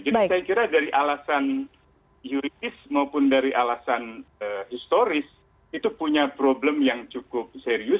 jadi saya kira dari alasan juridis maupun dari alasan historis itu punya problem yang cukup serius